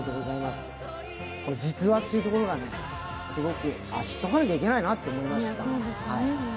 実話ってところが、すごく、知っておきなきゃいけないなって思いました。